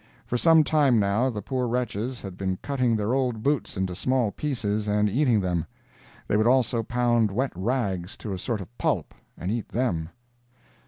For some time, now, the poor wretches had been cutting their old boots into small pieces and eating them. They would also pound wet rags to a sort of pulp and eat them.